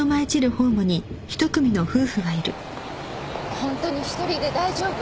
本当に１人で大丈夫？